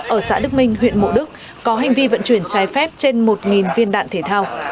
ở xã đức minh huyện mộ đức có hành vi vận chuyển trái phép trên một viên đạn thể thao